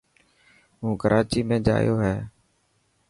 هون ڪراچي ۾ جايو هي.